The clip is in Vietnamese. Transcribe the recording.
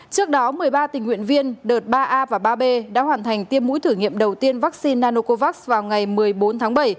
trước đó một mươi ba tình nguyện viên đợt ba a và ba b đã hoàn thành tiêm mũi thử nghiệm đầu tiên vaccine nanocovax vào ngày một mươi bốn tháng bảy